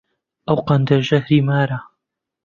ئەو قەندە ژەهری مارە